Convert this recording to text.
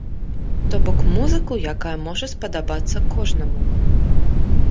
То бок, музыку, якая можа спадабацца кожнаму.